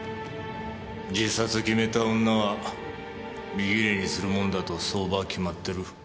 自殺決めた女は身ぎれいにするもんだと相場は決まってる。